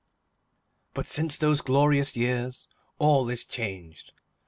But since those glorious years all is changed.